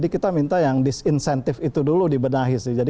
kita masih lebih fokus di fokus ke tolder